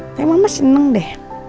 emang mama seneng deh